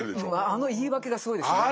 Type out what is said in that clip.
あの言い訳がすごいですよね。